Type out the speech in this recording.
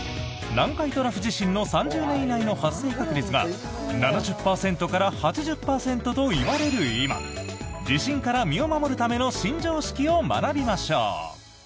南海トラフ地震の３０年以内の発生確率が７０％から８０％といわれる今地震から身を守るための新常識を学びましょう。